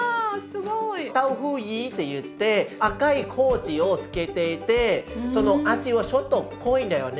タオフーイーといって赤い麹をつけていてその味はちょっと濃いんだよね。